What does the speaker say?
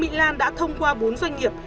mỹ lan đã thông qua bốn doanh nghiệp